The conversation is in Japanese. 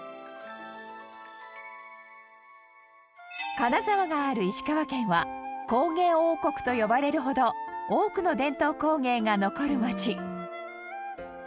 金沢がある石川県は工芸王国と呼ばれるほど多くの伝統工芸が残る街